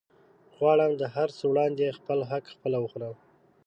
غواړم د هرڅه وړاندې خپل حق خپله وخورم